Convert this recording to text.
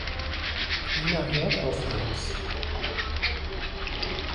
Keiner hört auf uns.